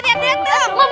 aduh mabuk mabuk mabuk